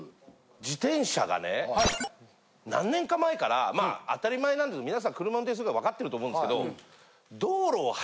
自転車がね何年か前からまあ当たり前なんですけど皆さん車運転するから分かってると思うんですけど。